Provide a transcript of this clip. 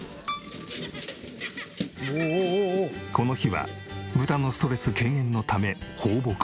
この日は豚のストレス軽減のため。